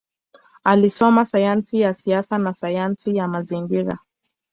Alisoma sayansi ya siasa na sayansi ya mazingira.